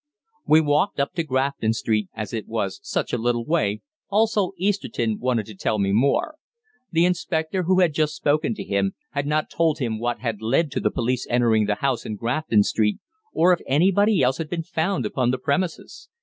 We walked up to Grafton Street, as it was such a little way, also Easterton wanted to tell me more. The Inspector who had just spoken to him had not told him what had led to the police entering the house in Grafton Street, or if anybody else had been found upon the premises.